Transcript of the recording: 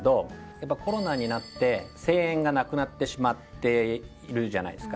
やっぱコロナになって声援がなくなってしまっているじゃないですか。